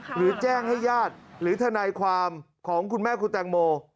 หรือแจ้งให้ญาติหรือทนายความของคุณแม่คุณแตงโม